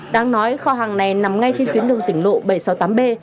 đáng nói kho hàng này nằm ngay trên tuyến đường tỉnh lộ bảy trăm sáu mươi tám b